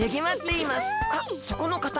あっそこのかた。